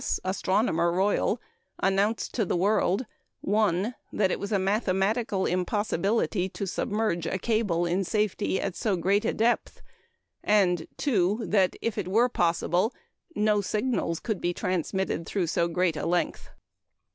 (Astronomer Royal), announced to the world: (1) that "it was a mathematical impossibility to submerge a cable in safety at so great a depth"; and (2) that "if it were possible, no signals could be transmitted through so great a length."